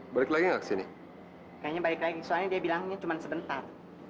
balik lagi ke sini kayaknya balik lagi soalnya dia bilangnya cuma sebentar